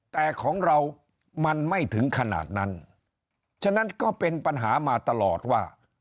แต่ของเรามันไม่ถึงขนาดนั้นฉะนั้นก็เป็นปัญหามาตลอดว่า